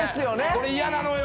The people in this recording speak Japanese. これ嫌なのよ